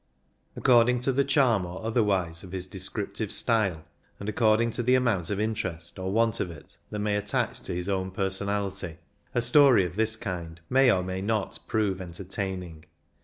According to the charm or otherwise of his descriptive style, and according to the amount of interest, or want of it, that may attach to his own personality, a story of this kind may or may not prove entertaining.